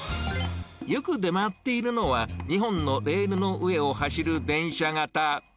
よく出回っているのは、２本のレールの上を走る電車型。